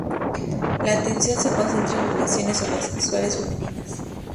La atención se centra en relaciones homosexuales femeninas.